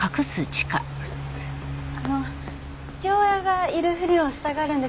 あの父親がいるふりをしたがるんです。